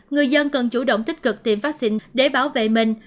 người dân cần chủ động tích cực tìm vaccine để bảo vệ mình